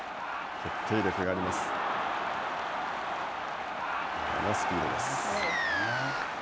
決定力があります。